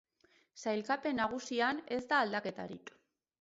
Sailkapen nagusian ez da aldaketarik.